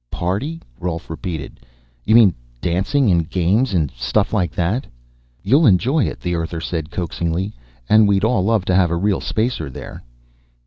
"Party?" Rolf repeated. "You mean, dancing, and games, and stuff like that?" "You'll enjoy it," the Earther said coaxingly. "And we'd all love to have a real Spacer there."